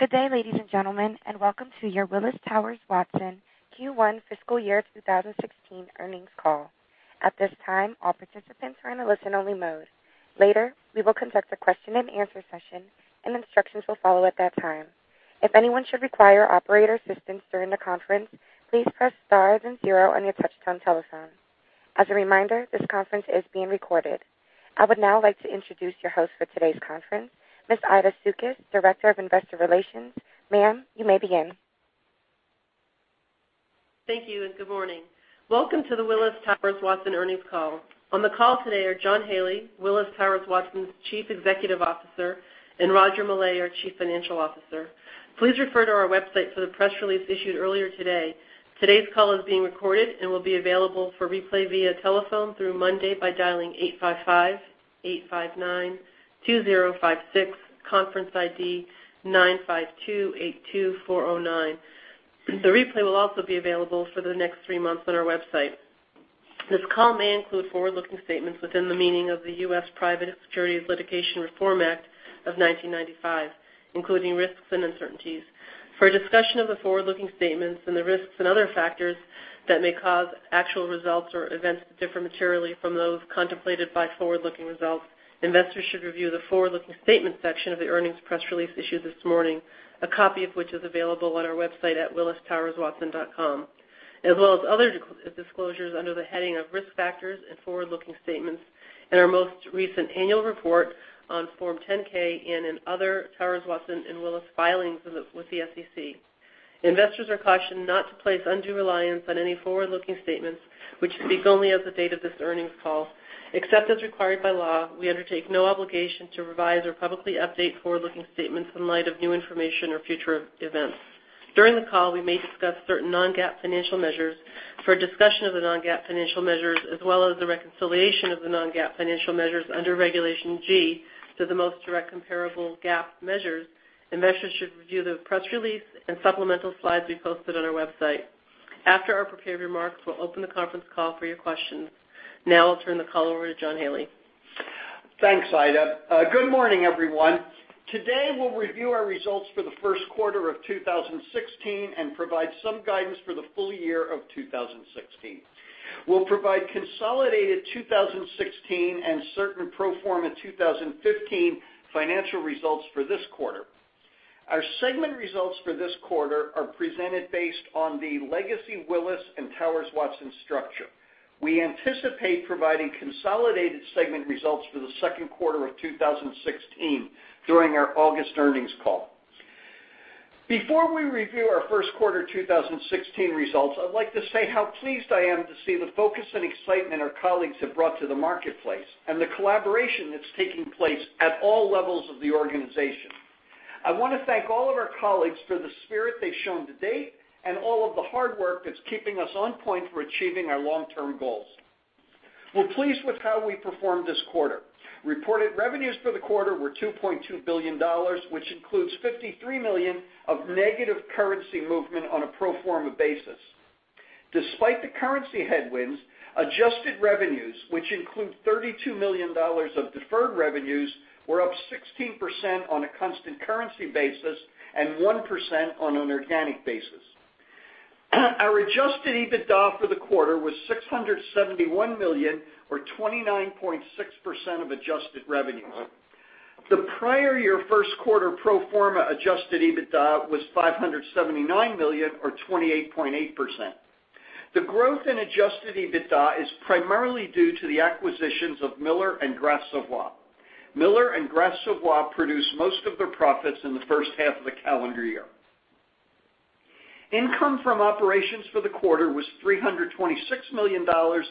Good day, ladies and gentlemen, and welcome to your Willis Towers Watson Q1 fiscal year 2016 earnings call. At this time, all participants are in a listen-only mode. Later, we will conduct a question and answer session and instructions will follow at that time. If anyone should require operator assistance during the conference, please press star then zero on your touchtone telephone. As a reminder, this conference is being recorded. I would now like to introduce your host for today's conference, Ms. Aida Sukas, Director of Investor Relations. Ma'am, you may begin. Thank you, and good morning. Welcome to the Willis Towers Watson earnings call. On the call today are John Haley, Willis Towers Watson's Chief Executive Officer, and Roger Millay, our Chief Financial Officer. Please refer to our website for the press release issued earlier today. Today's call is being recorded and will be available for replay via telephone through Monday by dialing 855-859-2056, conference ID 95282409. The replay will also be available for the next three months on our website. This call may include forward-looking statements within the meaning of the U.S. Private Securities Litigation Reform Act of 1995, including risks and uncertainties. For a discussion of the forward-looking statements and the risks and other factors that may cause actual results or events to differ materially from those contemplated by forward-looking results, investors should review the forward-looking statements section of the earnings press release issued this morning, a copy of which is available on our website at willistowerswatson.com, as well as other disclosures under the heading of Risk Factors and Forward-Looking Statements in our most recent annual report on Form 10-K and in other Towers Watson and Willis filings with the SEC. Investors are cautioned not to place undue reliance on any forward-looking statements which speak only as of the date of this earnings call. Except as required by law, we undertake no obligation to revise or publicly update forward-looking statements in light of new information or future events. During the call, we may discuss certain non-GAAP financial measures. For a discussion of the non-GAAP financial measures as well as the reconciliation of the non-GAAP financial measures under Regulation G to the most direct comparable GAAP measures, investors should review the press release and supplemental slides we posted on our website. After our prepared remarks, we'll open the conference call for your questions. Now I'll turn the call over to John Haley. Thanks, Aida. Good morning, everyone. Today, we'll review our results for the first quarter of 2016 and provide some guidance for the full year of 2016. We'll provide consolidated 2016 and certain pro forma 2015 financial results for this quarter. Our segment results for this quarter are presented based on the legacy Willis and Towers Watson structure. We anticipate providing consolidated segment results for the second quarter of 2016 during our August earnings call. Before we review our first quarter 2016 results, I'd like to say how pleased I am to see the focus and excitement our colleagues have brought to the marketplace and the collaboration that's taking place at all levels of the organization. I want to thank all of our colleagues for the spirit they've shown to date and all of the hard work that's keeping us on point for achieving our long-term goals. We're pleased with how we performed this quarter. Reported revenues for the quarter were $2.2 billion, which includes $53 million of negative currency movement on a pro forma basis. Despite the currency headwinds, adjusted revenues, which include $32 million of deferred revenues, were up 16% on a constant currency basis and 1% on an organic basis. Our adjusted EBITDA for the quarter was $671 million or 29.6% of adjusted revenues. The prior year first quarter pro forma adjusted EBITDA was $579 million or 28.8%. The growth in adjusted EBITDA is primarily due to the acquisitions of Miller and Gras Savoye. Miller and Gras Savoye produced most of their profits in the first half of the calendar year. Income from operations for the quarter was $326 million or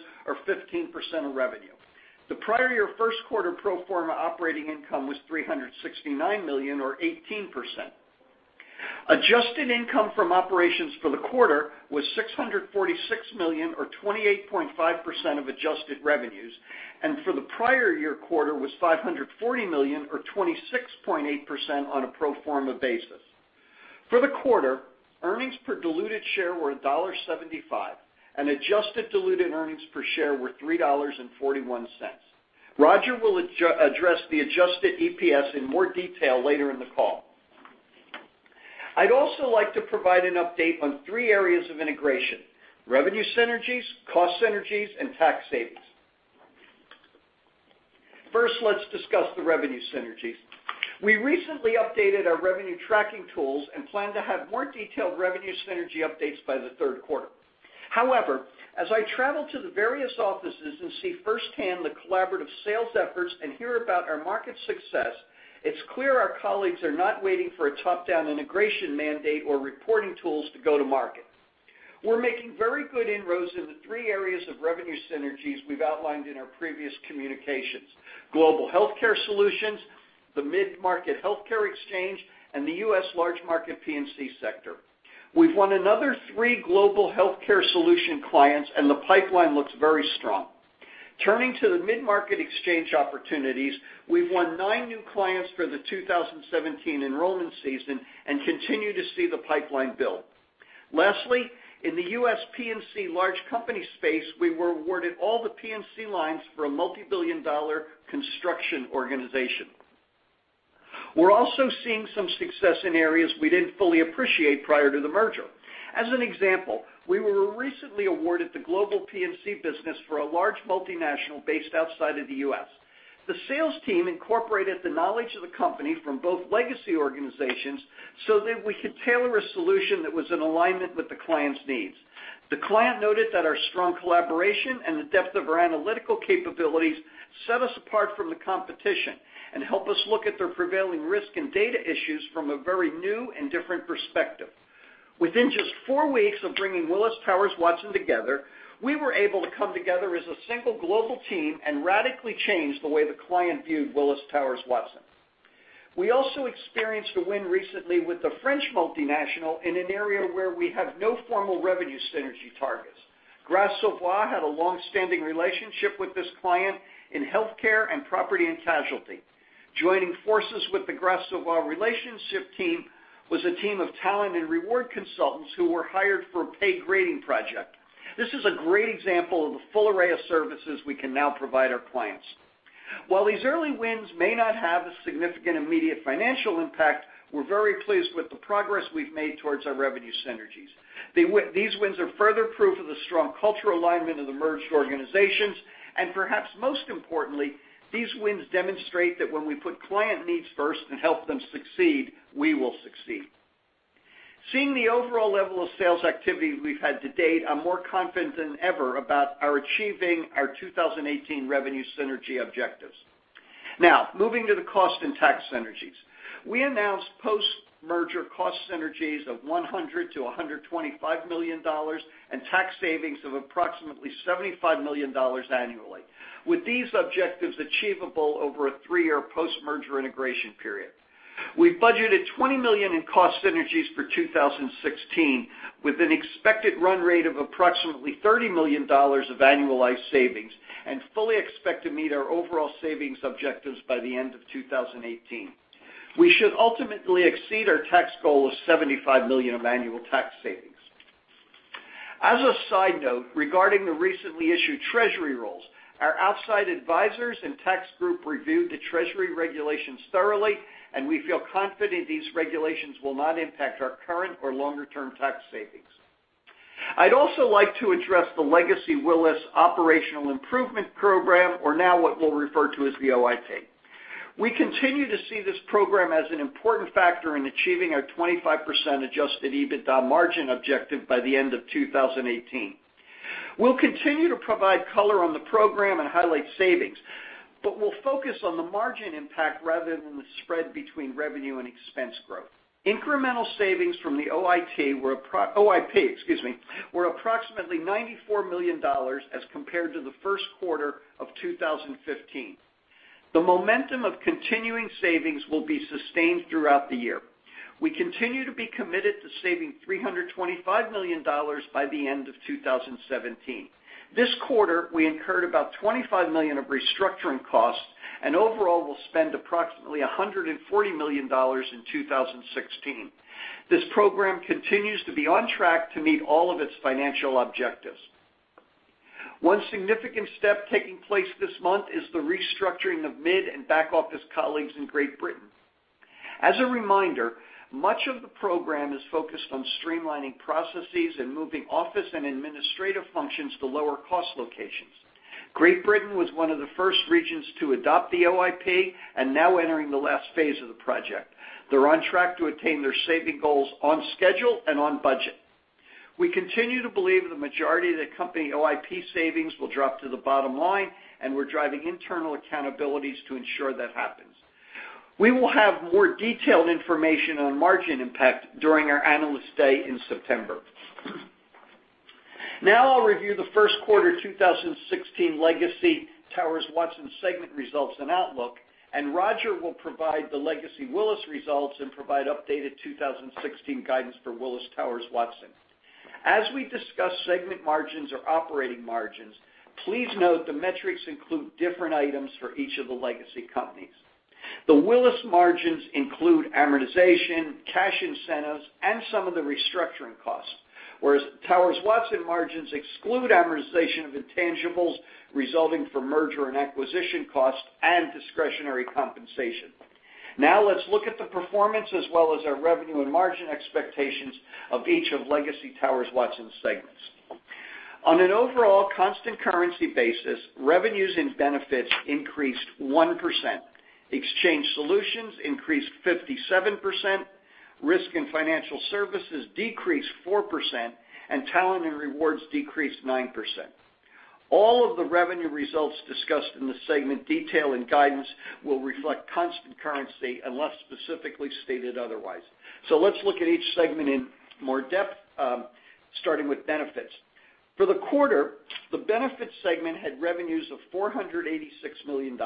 15% of revenue. The prior year first quarter pro forma operating income was $369 million or 18%. Adjusted income from operations for the quarter was $646 million or 28.5% of adjusted revenues, and for the prior year quarter was $540 million or 26.8% on a pro forma basis. For the quarter, earnings per diluted share were $1.75 and adjusted diluted earnings per share were $3.41. Roger will address the adjusted EPS in more detail later in the call. I'd also like to provide an update on three areas of integration, revenue synergies, cost synergies, and tax savings. First, let's discuss the revenue synergies. We recently updated our revenue tracking tools and plan to have more detailed revenue synergy updates by the third quarter. As I travel to the various offices and see firsthand the collaborative sales efforts and hear about our market success, it's clear our colleagues are not waiting for a top-down integration mandate or reporting tools to go to market. We're making very good inroads in the three areas of revenue synergies we've outlined in our previous communications, global healthcare solutions, the mid-market healthcare exchange, and the U.S. large market P&C sector. We've won another three global healthcare solution clients, and the pipeline looks very strong. Turning to the mid-market exchange opportunities, we've won nine new clients for the 2017 enrollment season and continue to see the pipeline build. Lastly, in the U.S. P&C large company space, we were awarded all the P&C lines for a multibillion-dollar construction organization. We're also seeing some success in areas we didn't fully appreciate prior to the merger. As an example, we were recently awarded the global P&C business for a large multinational based outside of the U.S. The sales team incorporated the knowledge of the company from both legacy organizations so that we could tailor a solution that was in alignment with the client's needs. The client noted that our strong collaboration and the depth of our analytical capabilities set us apart from the competition, and help us look at their prevailing risk and data issues from a very new and different perspective. Within just four weeks of bringing Willis Towers Watson together, we were able to come together as a single global team and radically change the way the client viewed Willis Towers Watson. We also experienced a win recently with a French multinational in an area where we have no formal revenue synergy targets. Gras Savoye had a long-standing relationship with this client in healthcare and property and casualty. Joining forces with the Gras Savoye relationship team was a team of Talent & Rewards consultants who were hired for a pay grading project. This is a great example of the full array of services we can now provide our clients. While these early wins may not have a significant immediate financial impact, we're very pleased with the progress we've made towards our revenue synergies. These wins are further proof of the strong cultural alignment of the merged organizations, and perhaps most importantly, these wins demonstrate that when we put client needs first and help them succeed, we will succeed. Seeing the overall level of sales activity we've had to date, I'm more confident than ever about our achieving our 2018 revenue synergy objectives. Now, moving to the cost and tax synergies. We announced post-merger cost synergies of $100 million-$125 million and tax savings of approximately $75 million annually. With these objectives achievable over a three-year post-merger integration period. We've budgeted $20 million in cost synergies for 2016, with an expected run rate of approximately $30 million of annualized savings and fully expect to meet our overall savings objectives by the end of 2018. We should ultimately exceed our tax goal of $75 million of annual tax savings. As a side note, regarding the recently issued treasury rules, our outside advisors and tax group reviewed the treasury regulations thoroughly, and we feel confident these regulations will not impact our current or longer-term tax savings. I'd also like to address the legacy Willis Operational Improvement Program, or now what we'll refer to as the OIP. We continue to see this program as an important factor in achieving our 25% adjusted EBITDA margin objective by the end of 2018. We'll continue to provide color on the program and highlight savings, but we'll focus on the margin impact rather than the spread between revenue and expense growth. Incremental savings from the OIP, excuse me, were approximately $94 million as compared to the first quarter of 2015. The momentum of continuing savings will be sustained throughout the year. We continue to be committed to saving $325 million by the end of 2017. This quarter, we incurred about $25 million of restructuring costs, and overall, we'll spend approximately $140 million in 2016. This program continues to be on track to meet all of its financial objectives. One significant step taking place this month is the restructuring of mid- and back-office colleagues in Great Britain. As a reminder, much of the program is focused on streamlining processes and moving office and administrative functions to lower cost locations. Great Britain was one of the first regions to adopt the OIP and now entering the last phase of the project. They're on track to attain their saving goals on schedule and on budget. We continue to believe the majority of the company OIP savings will drop to the bottom line, and we're driving internal accountabilities to ensure that happens. We will have more detailed information on margin impact during our Analyst Day in September. I'll review the first quarter 2016 legacy Towers Watson segment results and outlook, and Roger will provide the legacy Willis results and provide updated 2016 guidance for Willis Towers Watson. As we discuss segment margins or operating margins, please note the metrics include different items for each of the legacy companies. The Willis margins include amortization, cash incentives, and some of the restructuring costs. Towers Watson margins exclude amortization of intangibles resulting from merger and acquisition costs and discretionary compensation. Let's look at the performance as well as our revenue and margin expectations of each of legacy Towers Watson segments. On an overall constant currency basis, revenues and benefits increased 1%. Exchange Solutions increased 57%, Risk and Financial Services decreased 4%, and Talent & Rewards decreased 9%. All of the revenue results discussed in the segment detail and guidance will reflect constant currency unless specifically stated otherwise. Let's look at each segment in more depth, starting with Benefits. For the quarter, the Benefit segment had revenues of $486 million,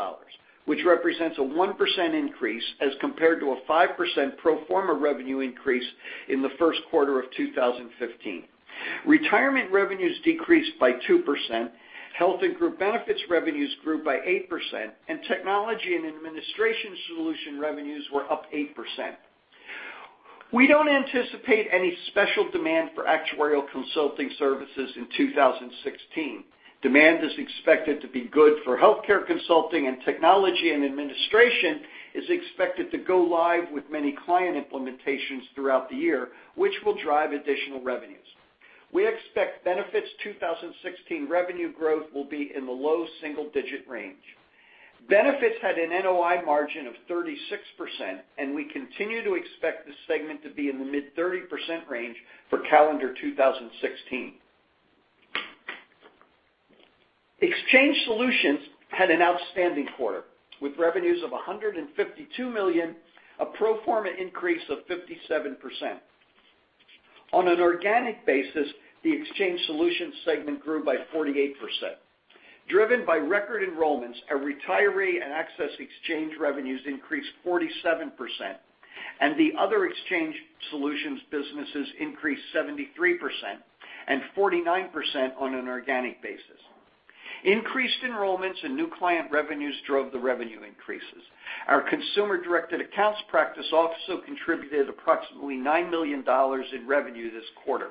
which represents a 1% increase as compared to a 5% pro forma revenue increase in the first quarter of 2015. Retirement revenues decreased by 2%, health and group benefits revenues grew by 8%, and technology and administration solution revenues were up 8%. We don't anticipate any special demand for actuarial consulting services in 2016. Demand is expected to be good for healthcare consulting, and technology and administration is expected to go live with many client implementations throughout the year, which will drive additional revenues. We expect Benefits 2016 revenue growth will be in the low single-digit range. Benefits had an NOI margin of 36%, and we continue to expect this segment to be in the mid 30% range for calendar 2016. Exchange Solutions had an outstanding quarter, with revenues of $152 million, a pro forma increase of 57%. On an organic basis, the Exchange Solutions segment grew by 48%. Driven by record enrollments, our retiree and access exchange revenues increased 47%, and the other Exchange Solutions businesses increased 73% and 49% on an organic basis. Increased enrollments and new client revenues drove the revenue increases. Our consumer-directed accounts practice also contributed approximately $9 million in revenue this quarter.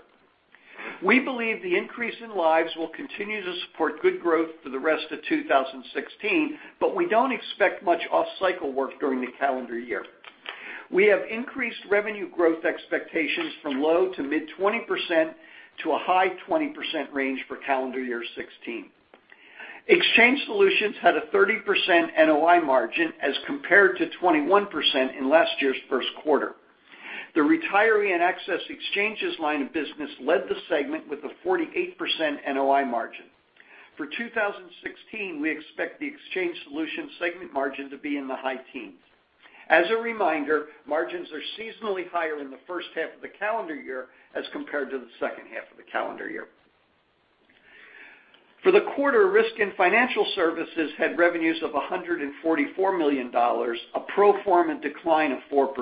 We believe the increase in lives will continue to support good growth for the rest of 2016, but we don't expect much off-cycle work during the calendar year. We have increased revenue growth expectations from low to mid 20% to a high 20% range for calendar year 2016. Exchange Solutions had a 30% NOI margin as compared to 21% in last year's first quarter. The retiree and access exchanges line of business led the segment with a 48% NOI margin. For 2016, we expect the Exchange Solutions segment margin to be in the high teens. As a reminder, margins are seasonally higher in the first half of the calendar year as compared to the second half of the calendar year. For the quarter, Risk and Financial Services had revenues of $144 million, a pro forma decline of 4%.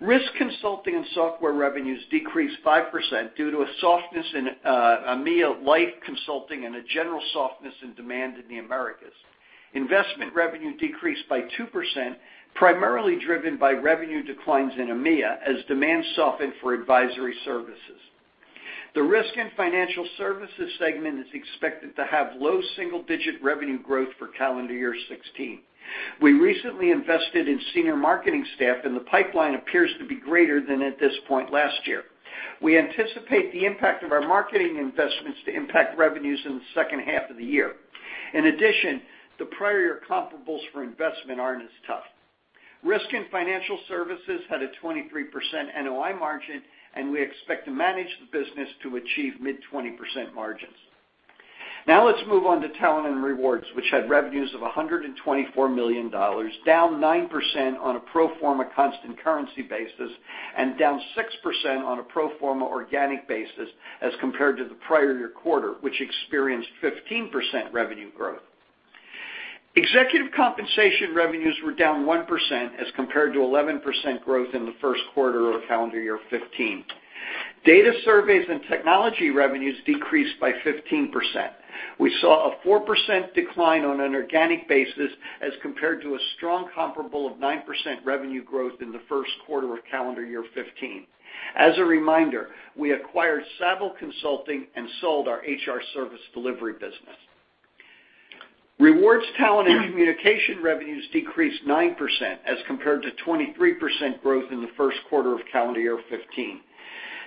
Risk consulting and software revenues decreased 5% due to a softness in EMEA life consulting and a general softness in demand in the Americas. Investment revenue decreased by 2%, primarily driven by revenue declines in EMEA as demand softened for advisory services. The Risk and Financial Services segment is expected to have low single-digit revenue growth for calendar year 2016. We recently invested in senior marketing staff, and the pipeline appears to be greater than at this point last year. We anticipate the impact of our marketing investments to impact revenues in the second half of the year. In addition, the prior year comparables for investment aren't as tough. Risk and Financial Services had a 23% NOI margin, and we expect to manage the business to achieve mid 20% margins. Let's move on to Talent & Rewards, which had revenues of $124 million, down 9% on a pro forma constant currency basis and down 6% on a pro forma organic basis as compared to the prior year quarter, which experienced 15% revenue growth. Executive compensation revenues were down 1% as compared to 11% growth in the first quarter of calendar year 2015. Data surveys and technology revenues decreased by 15%. We saw a 4% decline on an organic basis as compared to a strong comparable of 9% revenue growth in the first quarter of calendar year 2015. As a reminder, we acquired Saville Consulting and sold our HR service delivery business. Rewards Talent & Communication revenues decreased 9% as compared to 23% growth in the first quarter of calendar year 2015.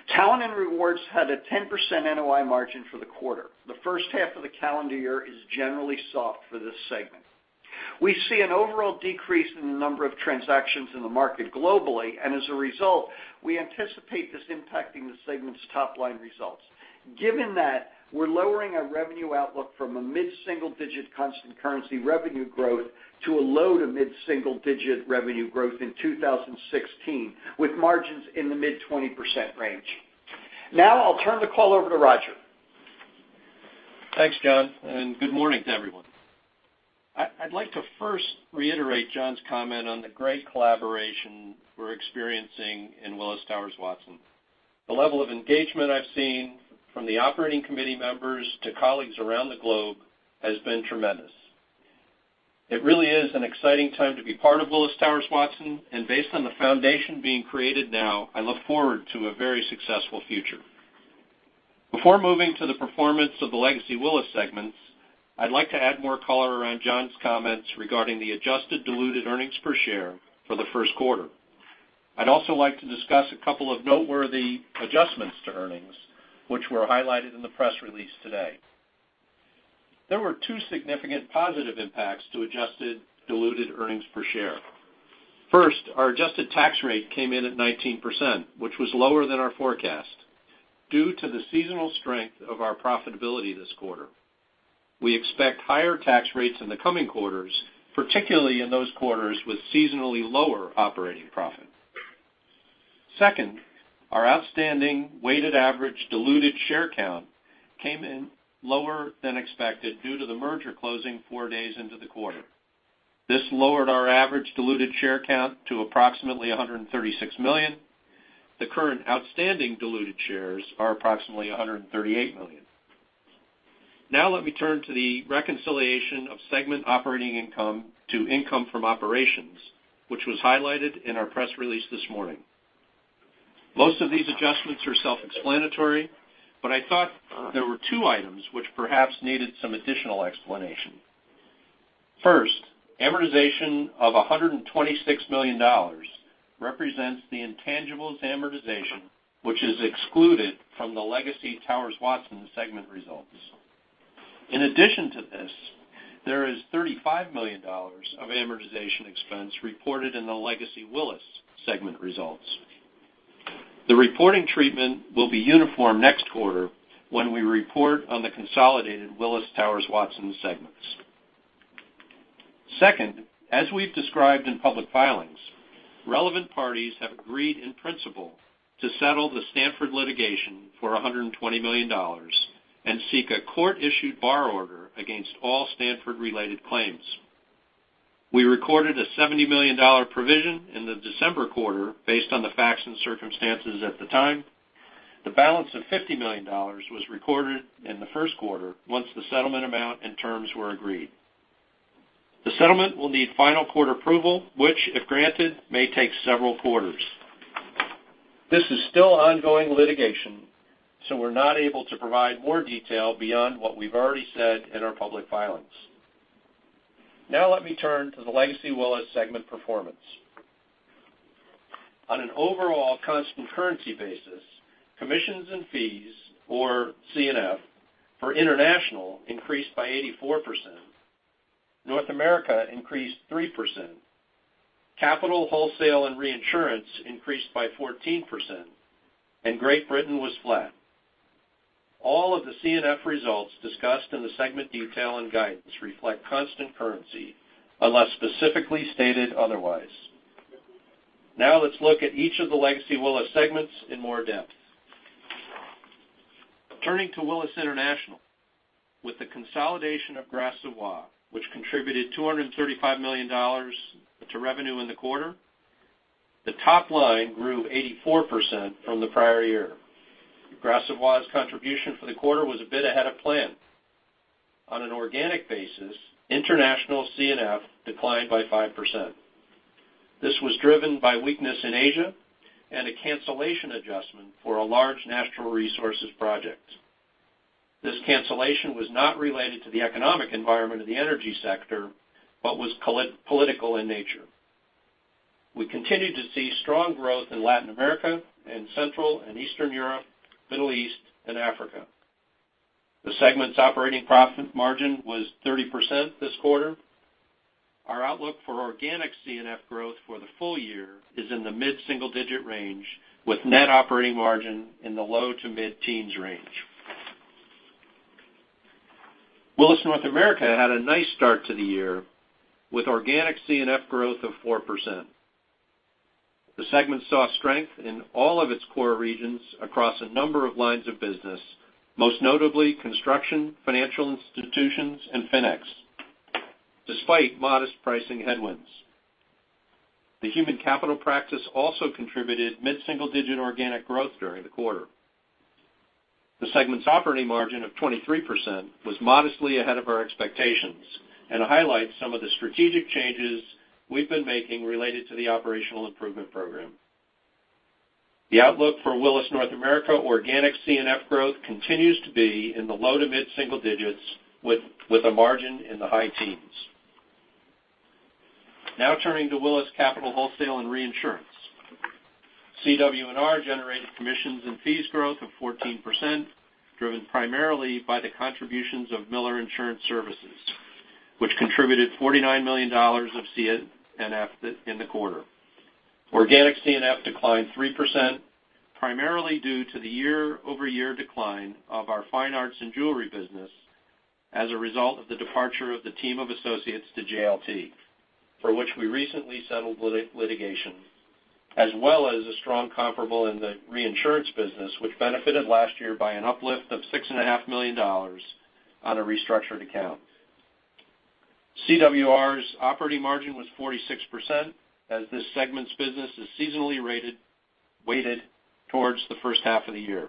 Talent & Rewards had a 10% NOI margin for the quarter. The first half of the calendar year is generally soft for this segment. We see an overall decrease in the number of transactions in the market globally, and as a result, we anticipate this impacting the segment's top-line results. Given that, we're lowering our revenue outlook from a mid-single-digit constant currency revenue growth to a low to mid-single-digit revenue growth in 2016, with margins in the mid 20% range. I'll turn the call over to Roger. Thanks, John, and good morning to everyone. I'd like to first reiterate John's comment on the great collaboration we're experiencing in Willis Towers Watson. The level of engagement I've seen from the operating committee members to colleagues around the globe has been tremendous. It really is an exciting time to be part of Willis Towers Watson, and based on the foundation being created now, I look forward to a very successful future. Before moving to the performance of the legacy Willis segments, I'd like to add more color around John's comments regarding the adjusted diluted earnings per share for the first quarter. I'd also like to discuss a couple of noteworthy adjustments to earnings, which were highlighted in the press release today. There were two significant positive impacts to adjusted diluted earnings per share. First, our adjusted tax rate came in at 19%, which was lower than our forecast due to the seasonal strength of our profitability this quarter. We expect higher tax rates in the coming quarters, particularly in those quarters with seasonally lower operating profit. Second, our outstanding weighted average diluted share count came in lower than expected due to the merger closing four days into the quarter. This lowered our average diluted share count to approximately $136 million. The current outstanding diluted shares are approximately $138 million. Now let me turn to the reconciliation of segment operating income to income from operations, which was highlighted in our press release this morning. Most of these adjustments are self-explanatory, but I thought there were two items which perhaps needed some additional explanation. First, amortization of $126 million represents the intangibles amortization, which is excluded from the legacy Towers Watson segment results. In addition to this, there is $35 million of amortization expense reported in the legacy Willis segment results. The reporting treatment will be uniform next quarter when we report on the consolidated Willis Towers Watson segments. Second, as we've described in public filings, relevant parties have agreed in principle to settle the Stanford litigation for $120 million and seek a court-issued bar order against all Stanford-related claims. We recorded a $70 million provision in the December quarter based on the facts and circumstances at the time. The balance of $50 million was recorded in the first quarter once the settlement amount and terms were agreed. The settlement will need final court approval, which, if granted, may take several quarters. This is still ongoing litigation, so we're not able to provide more detail beyond what we've already said in our public filings. Now let me turn to the legacy Willis segment performance. On an overall constant currency basis, commissions and fees, or C&F, for international increased by 84%, North America increased 3%, Capital Wholesale and Reinsurance increased by 14%, and Great Britain was flat. All of the C&F results discussed in the segment detail and guidance reflect constant currency unless specifically stated otherwise. Now let's look at each of the legacy Willis segments in more depth. Turning to Willis International, with the consolidation of Gras Savoye, which contributed $235 million to revenue in the quarter, the top line grew 84% from the prior year. Gras Savoye's contribution for the quarter was a bit ahead of plan. On an organic basis, international C&F declined by 5%. This was driven by weakness in Asia and a cancellation adjustment for a large natural resources project. This cancellation was not related to the economic environment of the energy sector, but was political in nature. We continue to see strong growth in Latin America and Central and Eastern Europe, Middle East, and Africa. The segment's operating profit margin was 30% this quarter. Our outlook for organic C&F growth for the full year is in the mid-single digit range with net operating margin in the low to mid-teens range. Willis North America had a nice start to the year with organic C&F growth of 4%. The segment saw strength in all of its core regions across a number of lines of business, most notably construction, financial institutions, and FINEX, despite modest pricing headwinds. The human capital practice also contributed mid-single digit organic growth during the quarter. The segment's operating margin of 23% was modestly ahead of our expectations and highlights some of the strategic changes we've been making related to the Operational Improvement Program. The outlook for Willis North America organic C&F growth continues to be in the low to mid-single digits with a margin in the high teens. Turning to Willis Capital, Wholesale and Reinsurance. CWR generated commissions and fees growth of 14%, driven primarily by the contributions of Miller Insurance Services, which contributed $49 million of C&F in the quarter. Organic C&F declined 3%, primarily due to the year-over-year decline of our fine arts and jewelry business as a result of the departure of the team of associates to JLT, for which we recently settled litigation, as well as a strong comparable in the reinsurance business, which benefited last year by an uplift of $6.5 million on a restructured account. CWR's operating margin was 46%, as this segment's business is seasonally weighted towards the first half of the year.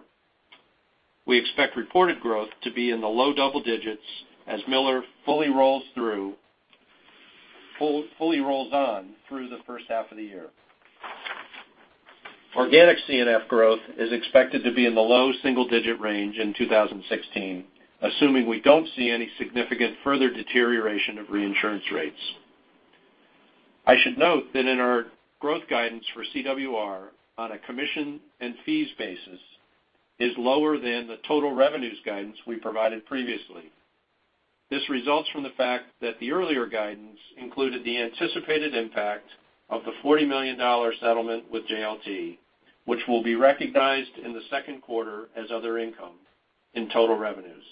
We expect reported growth to be in the low double digits as Miller fully rolls on through the first half of the year. Organic C&F growth is expected to be in the low single-digit range in 2016, assuming we don't see any significant further deterioration of reinsurance rates. In our growth guidance for CWR on a commission and fees basis is lower than the total revenues guidance we provided previously. This results from the fact that the earlier guidance included the anticipated impact of the $40 million settlement with JLT, which will be recognized in the second quarter as other income in total revenues.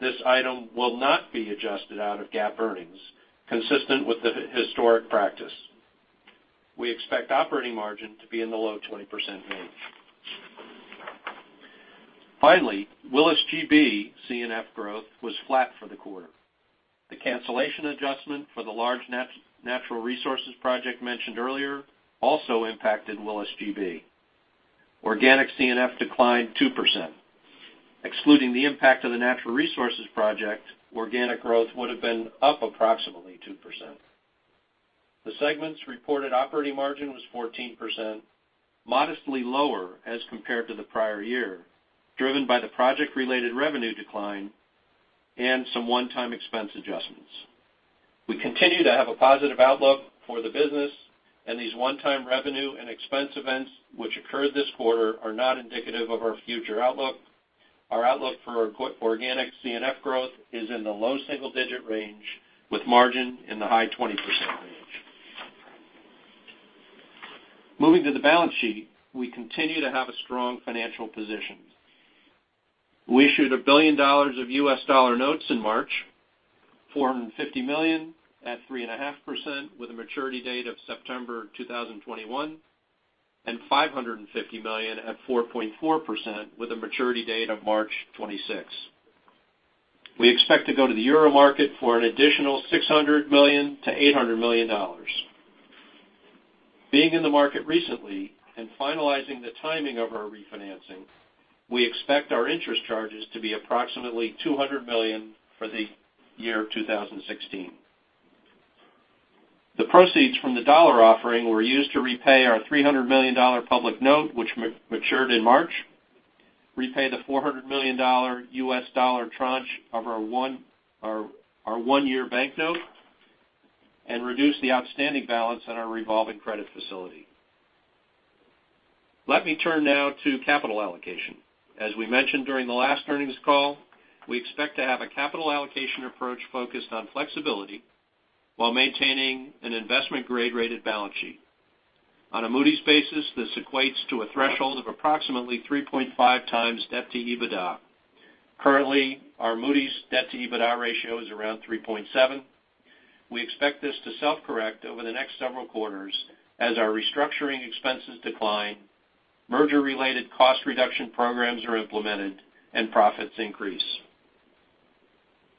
This item will not be adjusted out of GAAP earnings, consistent with the historic practice. We expect operating margin to be in the low 20% range. Willis GB C&F growth was flat for the quarter. The cancellation adjustment for the large natural resources project mentioned earlier also impacted Willis GB. Organic C&F declined 2%. Excluding the impact of the natural resources project, organic growth would've been up approximately 2%. The segment's reported operating margin was 14%, modestly lower as compared to the prior year, driven by the project-related revenue decline and some one-time expense adjustments. We continue to have a positive outlook for the business, and these one-time revenue and expense events, which occurred this quarter, are not indicative of our future outlook. Our outlook for organic C&F growth is in the low single-digit range, with margin in the high 20% range. Moving to the balance sheet, we continue to have a strong financial position. We issued $1 billion of U.S. dollar notes in March, $450 million at 3.5% with a maturity date of September 2021, and $550 million at 4.4% with a maturity date of March 2026. We expect to go to the Euro market for an additional $600 million to $800 million. Being in the market recently and finalizing the timing of our refinancing, we expect our interest charges to be approximately $200 million for the year 2016. The proceeds from the dollar offering were used to repay our $300 million public note, which matured in March, repay the $400 million U.S. dollar tranche of our one-year bank note, and reduce the outstanding balance on our revolving credit facility. Turning to capital allocation. As we mentioned during the last earnings call, we expect to have a capital allocation approach focused on flexibility while maintaining an investment grade-rated balance sheet. On a Moody's basis, this equates to a threshold of approximately 3.5 times debt to EBITDA. Currently, our Moody's debt to EBITDA ratio is around 3.7. We expect this to self-correct over the next several quarters as our restructuring expenses decline, merger-related cost reduction programs are implemented, and profits increase.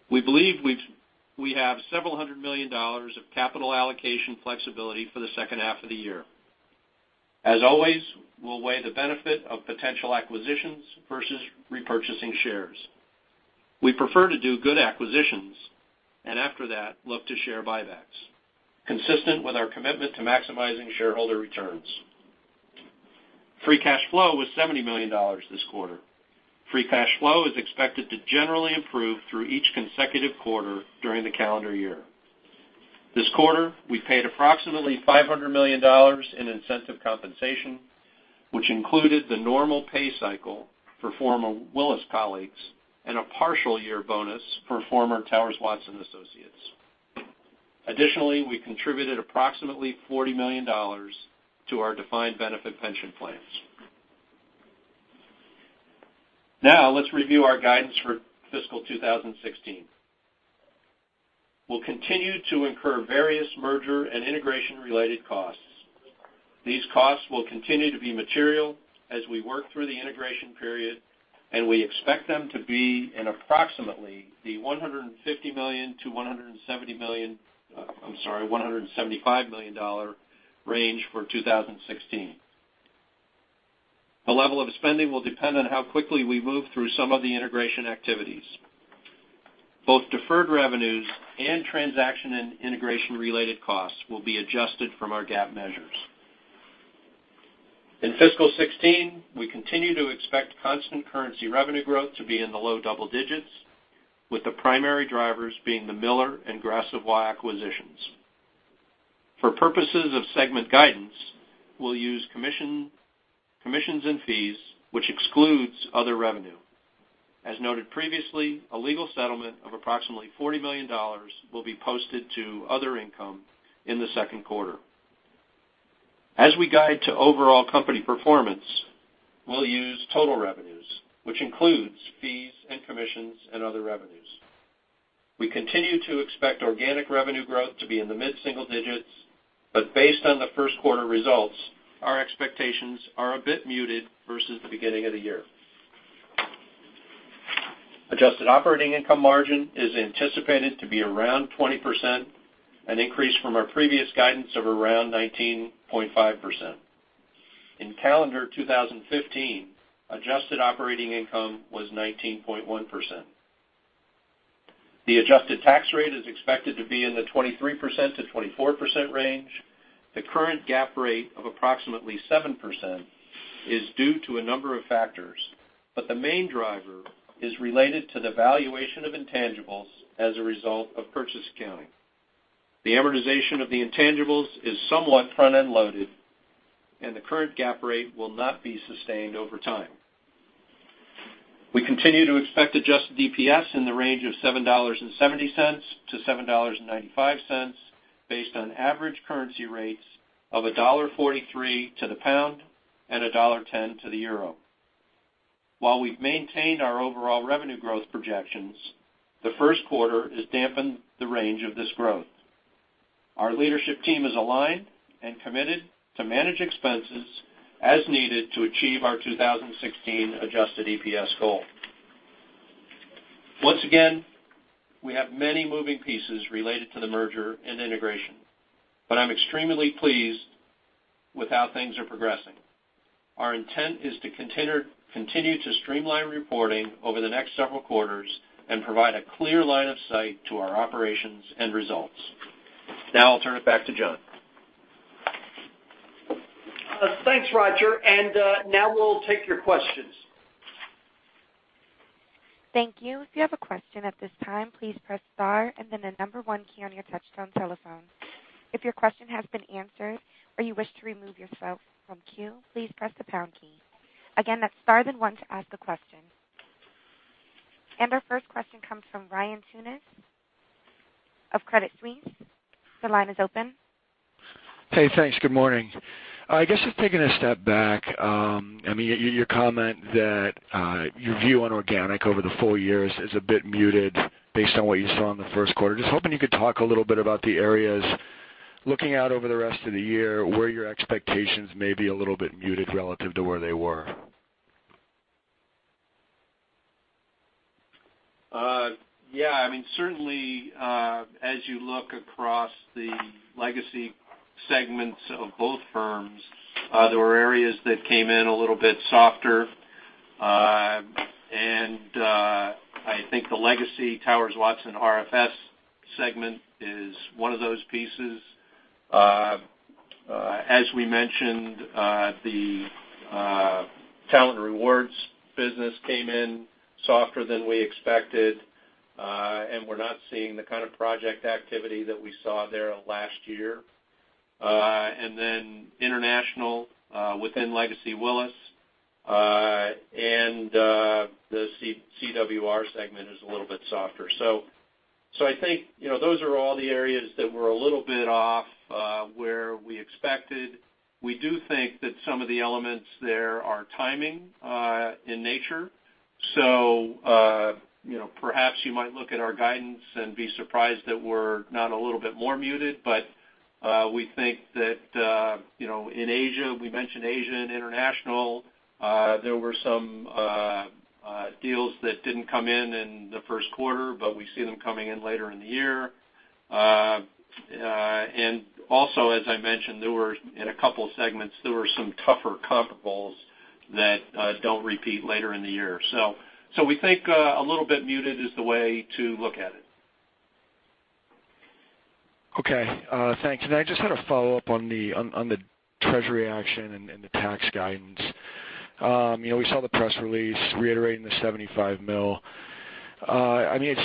We believe we have several hundred million dollars of capital allocation flexibility for the second half of the year. As always, we'll weigh the benefit of potential acquisitions versus repurchasing shares. We prefer to do good acquisitions, and after that, look to share buybacks, consistent with our commitment to maximizing shareholder returns. Free cash flow was $70 million this quarter. Free cash flow is expected to generally improve through each consecutive quarter during the calendar year. This quarter, we paid approximately $500 million in incentive compensation, which included the normal pay cycle for former Willis colleagues and a partial year bonus for former Towers Watson associates. Additionally, we contributed approximately $40 million to our defined benefit pension plans. Let's review our guidance for fiscal 2016. We'll continue to incur various merger and integration-related costs. These costs will continue to be material as we work through the integration period, and we expect them to be in approximately the $150 million-$175 million range for 2016. The level of spending will depend on how quickly we move through some of the integration activities. Both deferred revenues and transaction and integration-related costs will be adjusted from our GAAP measures. In fiscal 2016, we continue to expect constant currency revenue growth to be in the low double digits, with the primary drivers being the Miller and Gras Savoye acquisitions. For purposes of segment guidance, we'll use commissions and fees, which excludes other revenue. As noted previously, a legal settlement of approximately $40 million will be posted to other income in the second quarter. As we guide to overall company performance, we'll use total revenues, which includes fees and commissions and other revenues. We continue to expect organic revenue growth to be in the mid-single digits, based on the first quarter results, our expectations are a bit muted versus the beginning of the year. Adjusted operating income margin is anticipated to be around 20%, an increase from our previous guidance of around 19.5%. In calendar 2015, adjusted operating income was 19.1%. The adjusted tax rate is expected to be in the 23%-24% range. The current GAAP rate of approximately 7% is due to a number of factors, the main driver is related to the valuation of intangibles as a result of purchase accounting. The amortization of the intangibles is somewhat front-end loaded, the current GAAP rate will not be sustained over time. We continue to expect adjusted EPS in the range of $7.70-$7.95, based on average currency rates of $1.43 to the GBP and $1.10 to the EUR. While we've maintained our overall revenue growth projections, the first quarter has dampened the range of this growth. Our leadership team is aligned and committed to manage expenses as needed to achieve our 2016 adjusted EPS goal. Once again, we have many moving pieces related to the merger and integration, but I'm extremely pleased with how things are progressing. Our intent is to continue to streamline reporting over the next several quarters and provide a clear line of sight to our operations and results. I'll turn it back to John. Thanks, Roger, now we'll take your questions. Thank you. If you have a question at this time, please press star and then the number one key on your touch-tone telephone. If your question has been answered or you wish to remove yourself from queue, please press the pound key. Again, that's star then one to ask a question. Our first question comes from Ryan Tunis of Credit Suisse. Your line is open. Hey, thanks. Good morning. I guess just taking a step back, your comment that your view on organic over the full year is a bit muted based on what you saw in the first quarter. Just hoping you could talk a little bit about the areas, looking out over the rest of the year, where your expectations may be a little bit muted relative to where they were. Yeah. Certainly as you look across the legacy segments of both firms, there were areas that came in a little bit softer. I think the legacy Towers Watson RFS segment is one of those pieces. As we mentioned, the Talent & Rewards business came in softer than we expected, and we're not seeing the kind of project activity that we saw there last year. International within legacy Willis, and the CWR segment is a little bit softer. I think those are all the areas that were a little bit off where we expected. We do think that some of the elements there are timing in nature. Perhaps you might look at our guidance and be surprised that we're not a little bit more muted, but we think that in Asia, we mentioned Asia and international, there were some deals that didn't come in in the first quarter, but we see them coming in later in the year. As I mentioned, in a couple of segments, there were some tougher comparables that don't repeat later in the year. We think a little bit muted is the way to look at it. Okay. Thanks. I just had a follow-up on the treasury action and the tax guidance. We saw the press release reiterating the $75 million. I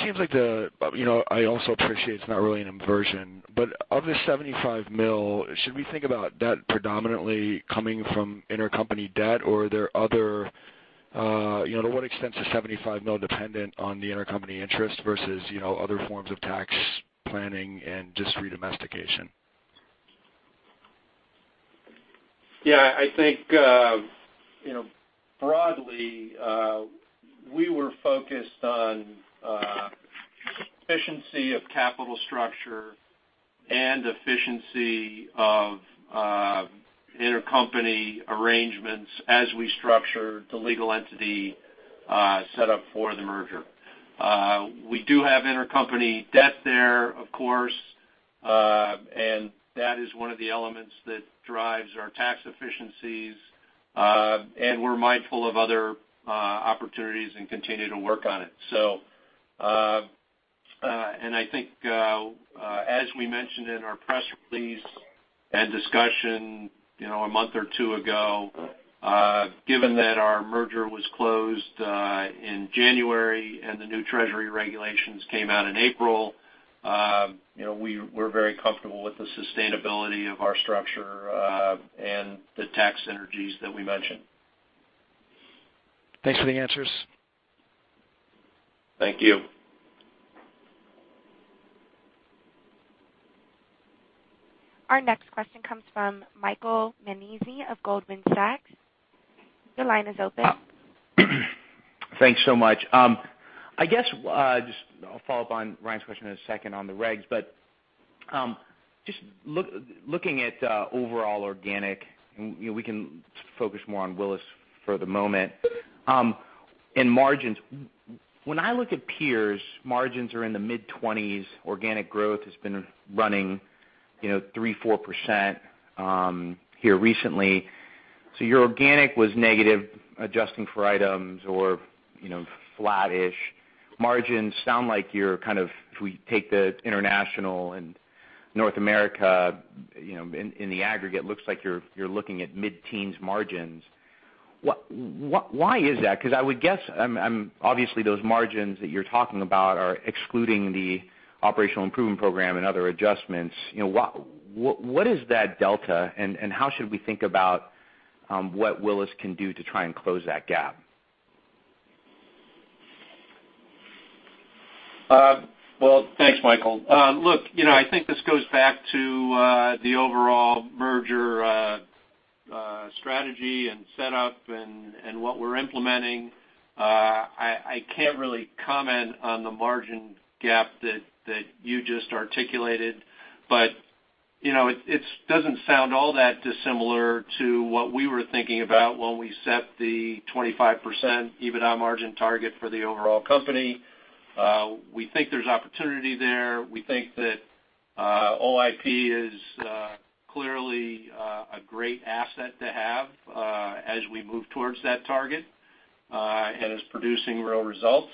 also appreciate it's not really an inversion, but of the $75 million, should we think about debt predominantly coming from intercompany debt, or are there other? To what extent is the $75 million dependent on the intercompany interest versus other forms of tax planning and just redomestication? Yeah, I think broadly, we were focused on efficiency of capital structure and efficiency of intercompany arrangements as we structured the legal entity set up for the merger. We do have intercompany debt there, of course. That is one of the elements that drives our tax efficiencies, and we're mindful of other opportunities and continue to work on it. I think as we mentioned in our press release and discussion a month or two ago, given that our merger was closed in January and the new treasury regulations came out in April, we're very comfortable with the sustainability of our structure, and the tax synergies that we mentioned. Thanks for the answers. Thank you. Our next question comes from Michael Nannizzi of Goldman Sachs. Your line is open. Thanks so much. I guess I'll follow up on Ryan's question in a second on the regs, just looking at overall organic, we can focus more on Willis for the moment, and margins. When I look at peers, margins are in the mid-20s. Organic growth has been running three, four% here recently. Your organic was negative, adjusting for items or flat-ish. Margins sound like you're kind of, if we take the International and North America in the aggregate, looks like you're looking at mid-teens margins. Why is that? I would guess, obviously those margins that you're talking about are excluding the Operational Improvement Program and other adjustments. What is that delta, and how should we think about what Willis can do to try and close that gap? Well, thanks, Michael. Look, I think this goes back to the overall merger strategy and setup and what we're implementing. I can't really comment on the margin gap that you just articulated, but it doesn't sound all that dissimilar to what we were thinking about when we set the 25% EBITDA margin target for the overall company. We think there's opportunity there. We think that OIP is clearly a great asset to have as we move towards that target and is producing real results.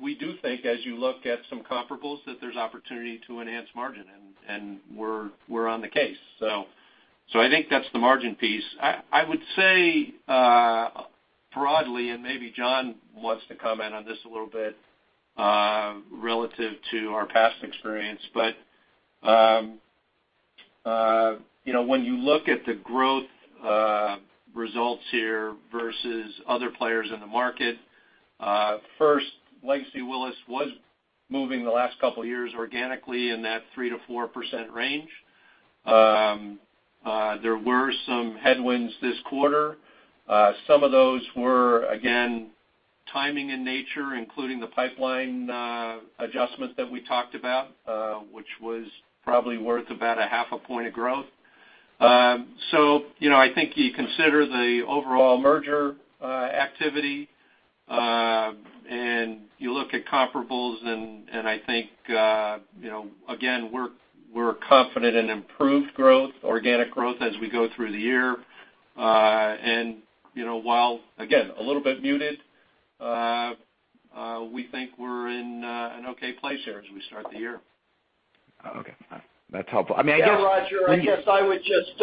We do think as you look at some comparables, that there's opportunity to enhance margin, and we're on the case. I think that's the margin piece. I would say broadly, and maybe John wants to comment on this a little bit relative to our past experience, but when you look at the growth results here versus other players in the market, first, legacy Willis was moving the last couple of years organically in that 3%-4% range. There were some headwinds this quarter. Some of those were, again, timing in nature, including the pipeline adjustment that we talked about which was probably worth about a half a point of growth. I think you consider the overall merger activity, and you look at comparables, and I think again, we're confident in improved growth, organic growth as we go through the year. While, again, a little bit muted, we think we're in an okay place there as we start the year. Okay. That's helpful. Roger, I guess I would just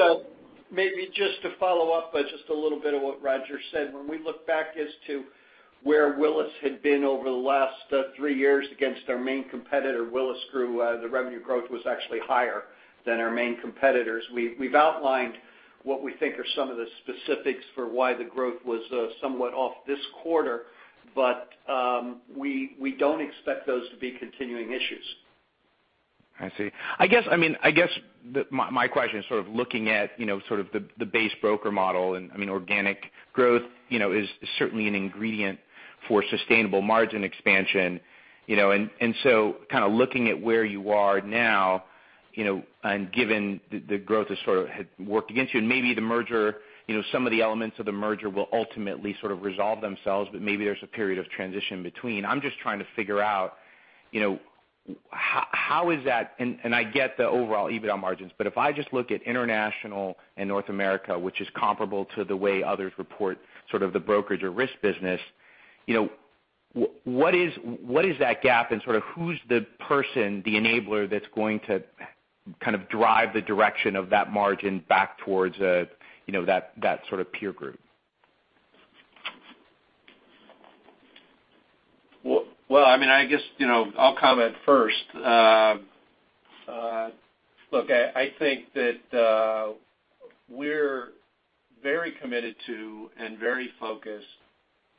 maybe to follow up by a little bit of what Roger said. When we look back as to where Willis had been over the last three years against our main competitor, the revenue growth was actually higher than our main competitors. We've outlined what we think are some of the specifics for why the growth was somewhat off this quarter, we don't expect those to be continuing issues. I see. I guess, my question is looking at the base broker model, organic growth is certainly an ingredient for sustainable margin expansion. Looking at where you are now, given the growth has sort of worked against you, maybe some of the elements of the merger will ultimately resolve themselves, maybe there's a period of transition between. I'm just trying to figure out how is that-- I get the overall EBITDA margins, if I just look at International and North America, which is comparable to the way others report, sort of the brokerage or risk business, what is that gap, who's the person, the enabler, that's going to drive the direction of that margin back towards that sort of peer group? Well, I guess I'll comment first. Look, I think that we're very committed to and very focused on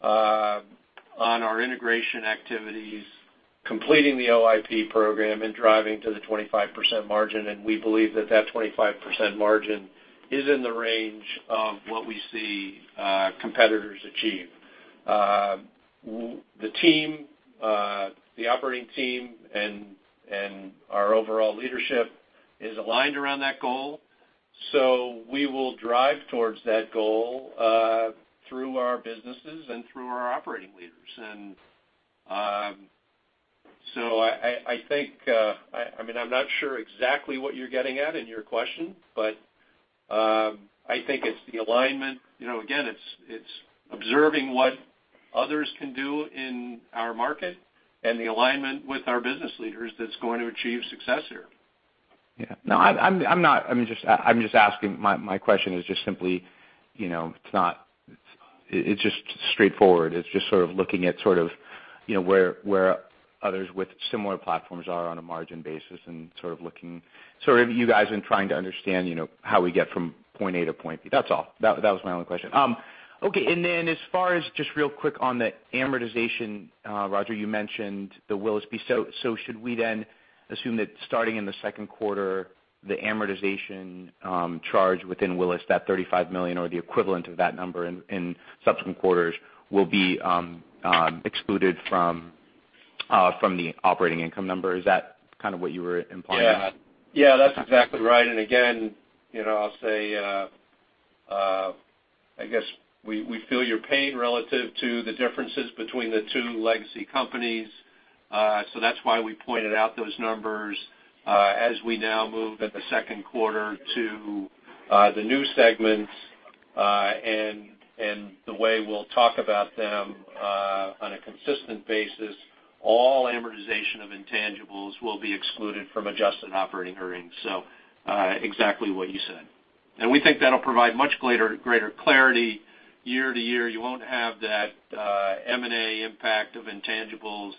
our integration activities, completing the OIP program, driving to the 25% margin, we believe that 25% margin is in the range of what we see competitors achieve. The operating team and our overall leadership is aligned around that goal. We will drive towards that goal through our businesses and through our operating leaders. I think-- I'm not sure exactly what you're getting at in your question, I think it's the alignment. Again, it's observing what others can do in our market and the alignment with our business leaders that's going to achieve success here. Yeah. I'm just asking. My question is just straightforward. It's just looking at where others with similar platforms are on a margin basis and looking sort of you guys and trying to understand how we get from point A to point B. That's all. That was my only question. Okay. As far as just real quick on the amortization, Roger, you mentioned the Willis piece. Should we then assume that starting in the second quarter, the amortization charge within Willis, that $35 million or the equivalent of that number in subsequent quarters will be excluded from the operating income number? Is that kind of what you were implying there? Yeah, that's exactly right. Again, I'll say, I guess we feel your pain relative to the differences between the two legacy companies. That's why we pointed out those numbers as we now move at the second quarter to the new segments and the way we'll talk about them on a consistent basis. All amortization of intangibles will be excluded from adjusted operating earnings. Exactly what you said. We think that'll provide much greater clarity year to year. You won't have that M&A impact of intangibles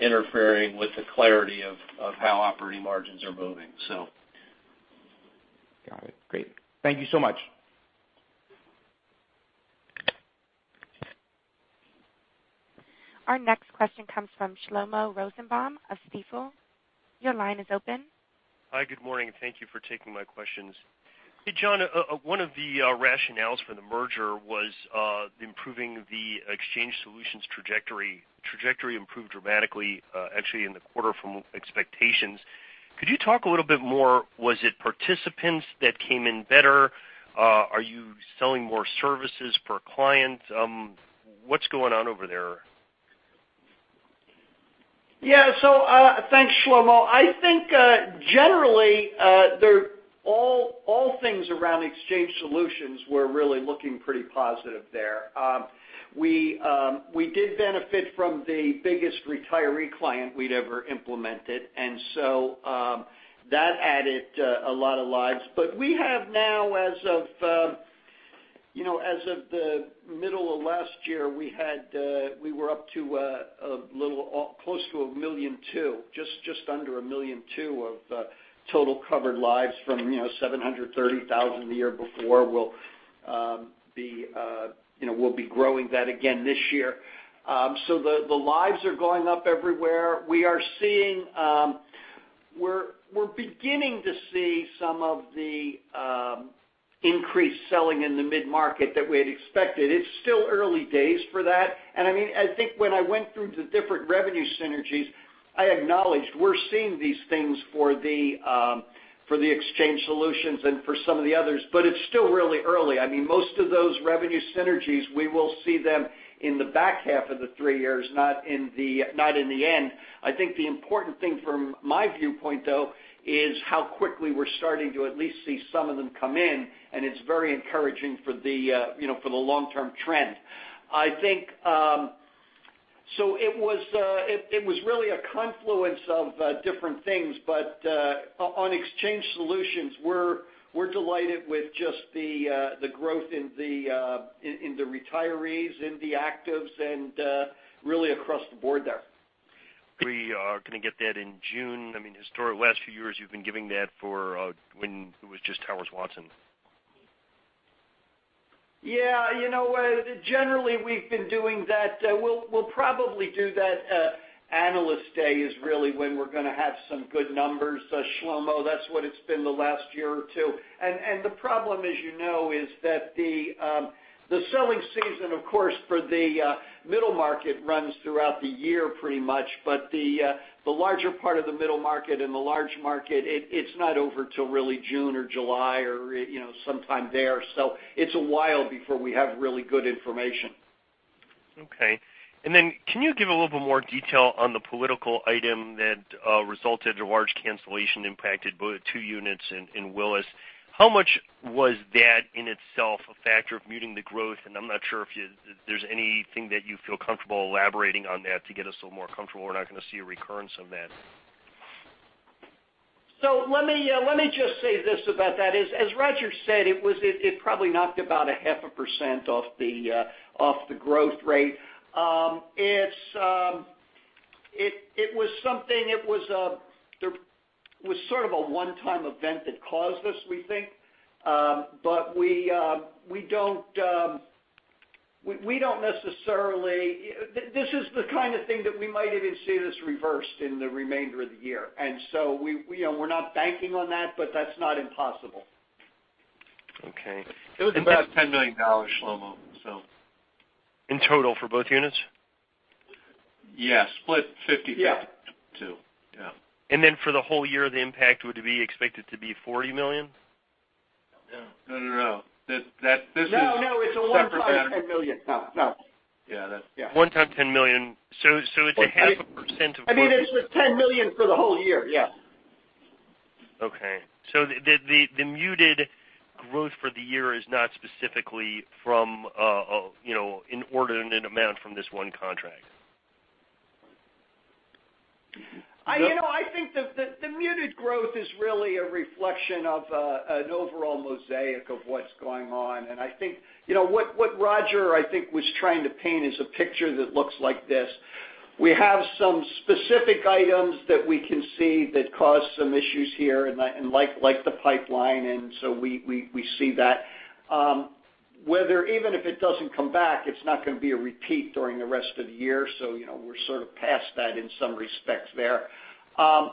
interfering with the clarity of how operating margins are moving. Got it. Great. Thank you so much. Our next question comes from Shlomo Rosenbaum of Stifel. Your line is open. Hi, good morning, and thank you for taking my questions. Hey, John, one of the rationales for the merger was improving the Exchange Solutions trajectory. Trajectory improved dramatically, actually in the quarter from expectations. Could you talk a little bit more? Was it participants that came in better? Are you selling more services per client? What's going on over there? Yeah. Thanks, Shlomo. I think, generally, all things around Exchange Solutions were really looking pretty positive there. We did benefit from the biggest retiree client we'd ever implemented, and so that added a lot of lives. We have now, as of the middle of last year, we were up to close to 1.2 million, just under 1.2 million of total covered lives from 730,000 the year before. We'll be growing that again this year. The lives are going up everywhere. We're beginning to see some of the increased selling in the mid-market that we had expected. It's still early days for that. I think when I went through the different revenue synergies, I acknowledged we're seeing these things for the Exchange Solutions and for some of the others, but it's still really early. Most of those revenue synergies, we will see them in the back half of the three years, not in the end. I think the important thing from my viewpoint, though, is how quickly we're starting to at least see some of them come in, and it's very encouraging for the long-term trend. It was really a confluence of different things, but on Exchange Solutions, we're delighted with just the growth in the retirees, in the actives, and really across the board there. Are we going to get that in June? Last few years, you've been giving that for when it was just Towers Watson. Yeah. Generally, we've been doing that. We'll probably do that at Analyst Day is really when we're going to have some good numbers, Shlomo. That's what it's been the last year or two. The problem, as you know, is that the selling season, of course, for the middle market runs throughout the year pretty much. The larger part of the middle market and the large market, it's not over till really June or July or sometime there. It's a while before we have really good information. Okay. Can you give a little bit more detail on the political item that resulted in a large cancellation impacted two units in Willis? How much was that in itself a factor of muting the growth? I'm not sure if there's anything that you feel comfortable elaborating on that to get us a little more comfortable we're not going to see a recurrence of that. Let me just say this about that is, as Roger said, it probably knocked about a half a % off the growth rate. It was sort of a one-time event that caused this, we think. This is the kind of thing that we might even see this reversed in the remainder of the year. We're not banking on that, but that's not impossible. Okay. It was about $10 million, Shlomo. In total for both units? Yeah, split 50/50. Yeah. Yeah. For the whole year, the impact would be expected to be $40 million? No, this is separate- No, it's a one time $10 million. No. Yeah, that's One time, $10 million. It's a half a percent of- I mean, it's just $10 million for the whole year. Yes. Okay. The muted growth for the year is not specifically from an order and an amount from this one contract? I think the muted growth is really a reflection of an overall mosaic of what's going on. I think what Roger, I think, was trying to paint is a picture that looks like this. We have some specific items that we can see that caused some issues here, and like the pipeline, and so we see that. Whether even if it doesn't come back, it's not going to be a repeat during the rest of the year, so we're sort of past that in some respects there.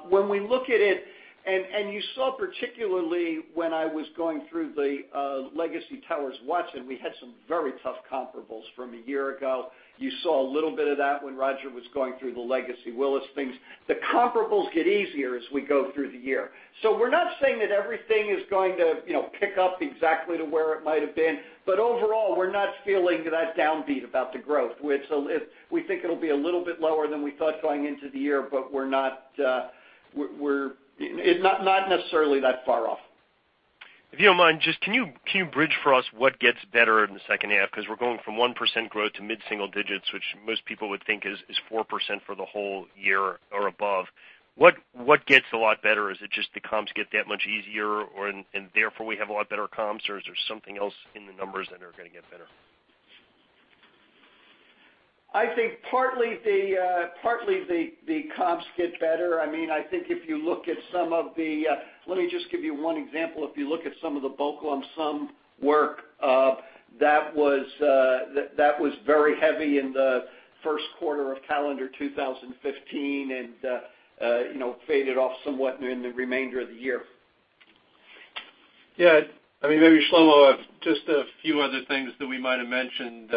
When we look at it, and you saw particularly when I was going through the legacy Towers Watson, we had some very tough comparables from a year ago. You saw a little bit of that when Roger was going through the legacy Willis things. The comparables get easier as we go through the year. We're not saying that everything is going to pick up exactly to where it might have been. Overall, we're not feeling that downbeat about the growth. We think it'll be a little bit lower than we thought going into the year, but not necessarily that far off. If you don't mind, just can you bridge for us what gets better in the second half? We're going from 1% growth to mid-single digits, which most people would think is 4% for the whole year or above. What gets a lot better? Is it just the comps get that much easier, and therefore we have a lot better comps, or is there something else in the numbers that are going to get better? I think partly the comps get better. Let me just give you one example. If you look at some of the bulk lump-sum work that was very heavy in the first quarter of calendar 2015 and faded off somewhat in the remainder of the year. Maybe Shlomo, just a few other things that we might have mentioned.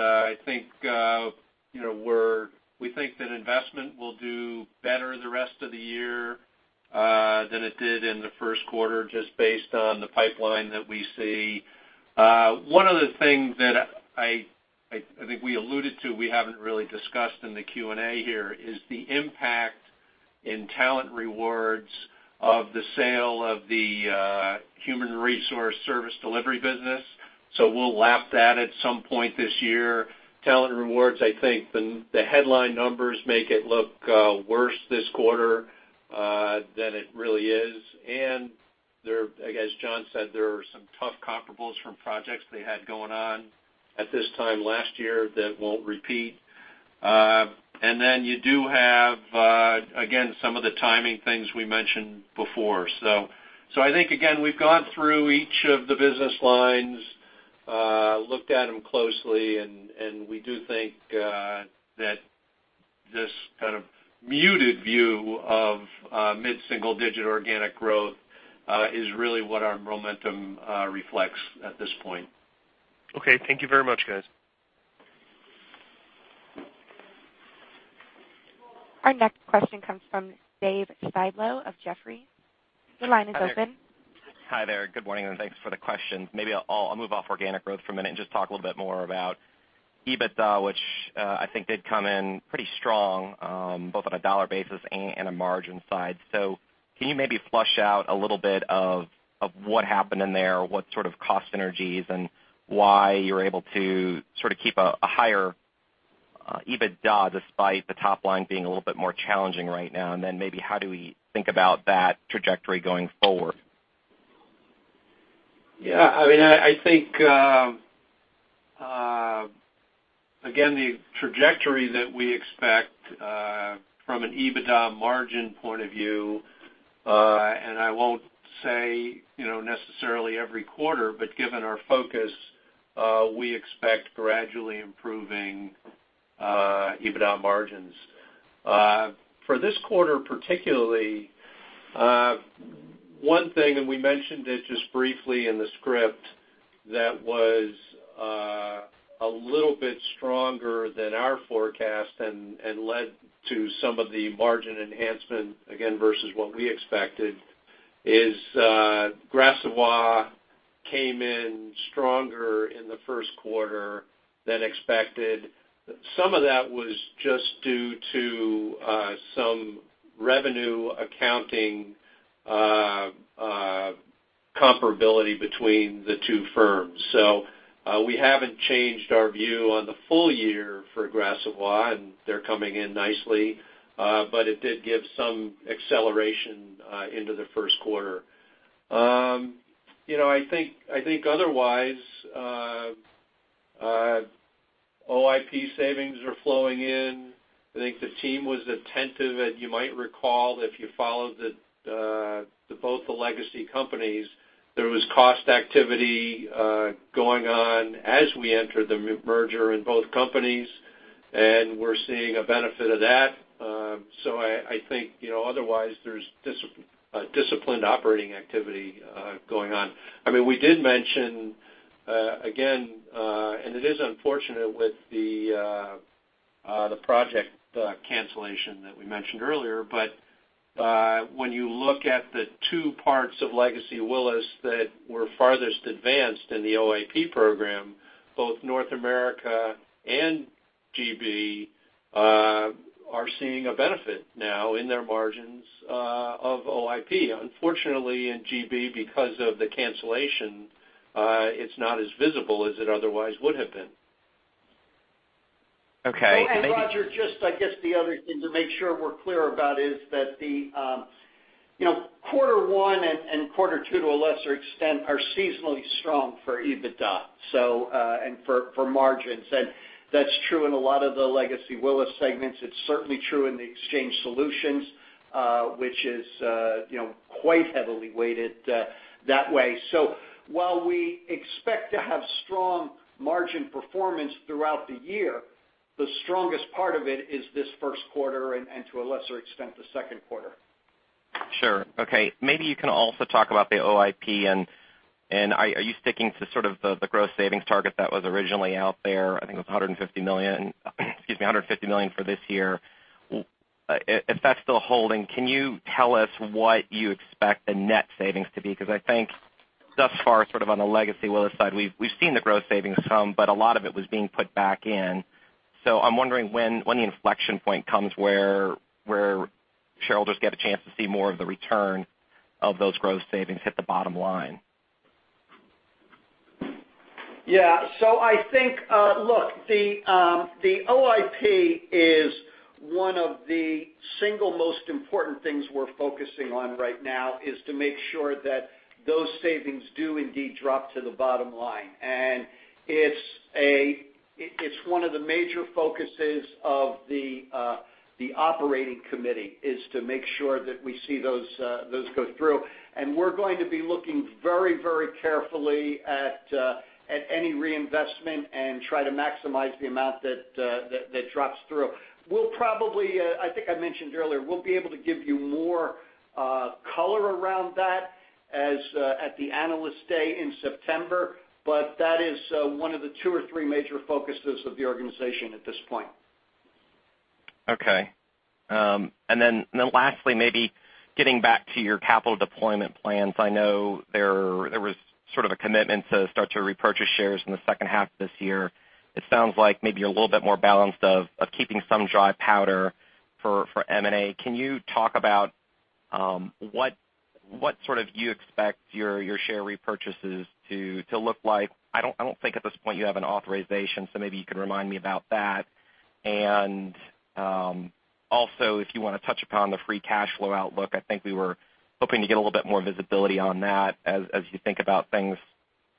We think that investment will do better the rest of the year than it did in the first quarter, just based on the pipeline that we see. One of the things that I think we alluded to, we haven't really discussed in the Q&A here, is the impact in Talent & Rewards of the sale of the Human Resources Service Delivery business. We'll lap that at some point this year. Talent & Rewards, I think, the headline numbers make it look worse this quarter than it really is. As John said, there are some tough comparables from projects they had going on at this time last year that won't repeat. Then you do have again, some of the timing things we mentioned before. I think, again, we've gone through each of the business lines, looked at them closely, and we do think that this kind of muted view of mid-single-digit organic growth is really what our momentum reflects at this point. Thank you very much, guys. Our next question comes from David Styblo of Jefferies. Your line is open. Hi there. Good morning, and thanks for the questions. Maybe I'll move off organic growth for a minute and just talk a little bit more about EBITDA, which I think did come in pretty strong, both on a dollar basis and a margin side. Can you maybe flush out a little bit of what happened in there, what sort of cost synergies, and why you're able to sort of keep a higher EBITDA despite the top line being a little bit more challenging right now? Maybe how do we think about that trajectory going forward? Yeah, I think again, the trajectory that we expect from an EBITDA margin point of view, and I won't say necessarily every quarter, but given our focus, we expect gradually improving EBITDA margins. For this quarter particularly, one thing, and we mentioned it just briefly in the script, that was a little bit stronger than our forecast and led to some of the margin enhancement, again, versus what we expected, is Gras Savoye came in stronger in the first quarter than expected. Some of that was just due to some revenue accounting comparability between the two firms. We haven't changed our view on the full year for Gras Savoye, and they're coming in nicely. It did give some acceleration into the first quarter. I think otherwise, OIP savings are flowing in. I think the team was attentive, and you might recall, if you followed both the legacy companies, there was cost activity going on as we entered the merger in both companies, and we're seeing a benefit of that. I think otherwise, there's disciplined operating activity going on. We did mention, again, and it is unfortunate with the project cancellation that we mentioned earlier, but when you look at the two parts of legacy Willis that were farthest advanced in the OIP program, both North America and GB are seeing a benefit now in their margins of OIP. Unfortunately, in GB, because of the cancellation, it's not as visible as it otherwise would have been. Okay. Maybe- Roger, just I guess the other thing to make sure we're clear about is that the quarter one and quarter two, to a lesser extent, are seasonally strong for EBITDA and for margins. That's true in a lot of the legacy Willis segments. It's certainly true in the Exchange Solutions, which is quite heavily weighted that way. While we expect to have strong margin performance throughout the year, the strongest part of it is this first quarter and to a lesser extent, the second quarter. Sure. Okay. Maybe you can also talk about the OIP, are you sticking to sort of the gross savings target that was originally out there? I think it was $150 million for this year. If that's still holding, can you tell us what you expect the net savings to be? I think thus far, sort of on the legacy Willis side, we've seen the gross savings come, a lot of it was being put back in. I'm wondering when the inflection point comes where shareholders get a chance to see more of the return of those gross savings hit the bottom line. Yeah. I think, look, the OIP is one of the single most important things we're focusing on right now is to make sure that those savings do indeed drop to the bottom line. It's one of the major focuses of the operating committee, is to make sure that we see those go through. We're going to be looking very carefully at any reinvestment and try to maximize the amount that drops through. I think I mentioned earlier, we'll be able to give you more color around that at the Analyst Day in September, but that is one of the two or three major focuses of the organization at this point. Okay. Lastly, maybe getting back to your capital deployment plans, I know there was sort of a commitment to start to repurchase shares in the second half of this year. It sounds like maybe you're a little bit more balanced of keeping some dry powder for M&A. Can you talk about what sort of you expect your share repurchases to look like? I don't think at this point you have an authorization, so maybe you can remind me about that. Also, if you want to touch upon the free cash flow outlook, I think we were hoping to get a little bit more visibility on that as you think about things,